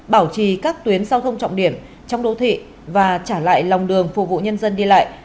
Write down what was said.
bảo trì các tuyến giao thông trọng điểm trong đô thị và trả lại lòng đường phục vụ nhân dân đi lại